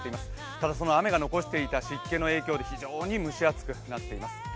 ただその雨が残した湿気の影響で非常に蒸し暑くなっています。